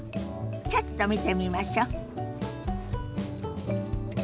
ちょっと見てみましょ。